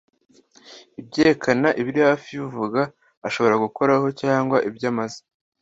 Ibyerekana ibiri hafi y uvuga ashobora gukoraho cyangwa ibyo amaze